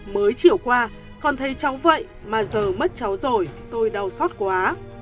mới chiều qua còn thấy cháu vậy mà giờ mất cháu rồi tôi đau xót quá